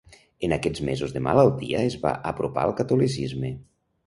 En aquests mesos de malaltia es va apropar al catolicisme.